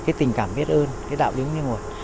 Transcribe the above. cái tình cảm biết ơn cái đạo đứng nguyên nguồn